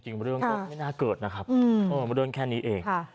เรื่องก็ไม่น่าเกิดนะครับเรื่องแค่นี้เอง